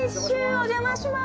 お邪魔します。